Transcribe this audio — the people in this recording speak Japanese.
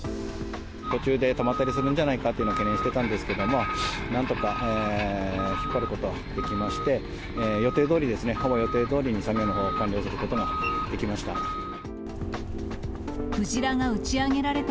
途中で止まったりするんじゃないかというのを懸念してたんですけど、なんとか引っ張ることできまして、予定どおり、ほぼ予定どおりに作業のほう、完了することができました。